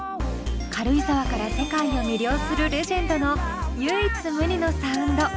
軽井沢から世界を魅了するレジェンドの唯一無二のサウンド